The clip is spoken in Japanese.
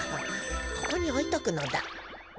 ☎ここにおいとくのだ。